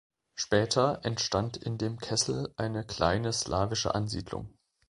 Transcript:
Später entstand in dem Kessel eine kleine slawische Ansiedlung.